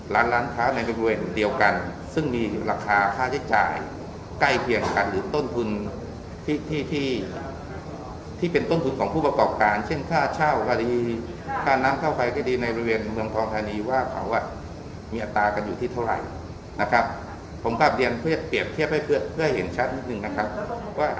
ร้านร้านค้าในบริเวณเดียวกันซึ่งมีราคาค่าใช้จ่ายใกล้เคียงกันหรือต้นทุนที่ที่ที่เป็นต้นทุนของผู้ประกอบการเช่นค่าเช่าก็ดีค่าน้ำค่าไฟก็ดีในบริเวณเมืองทองธานีว่าเขาอ่ะมีอัตรากันอยู่ที่เท่าไหร่นะครับผมกลับเรียนเพื่อเปรียบเทียบให้เพื่อให้เห็นชัดนิดหนึ่งนะครับว่า